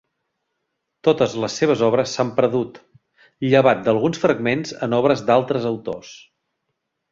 Totes les seves obres s'han perdut, llevat d'alguns fragments en obres d'altres autors.